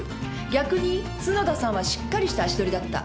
逆に角田さんはしっかりした足取りだった。